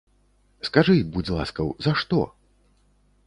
Скажы, будзь ласкаў, за што?